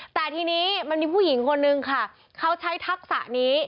แต่ทีนี้มันมีผู้หญิงคนนึงค่ะเขาใช้ทักษะนี้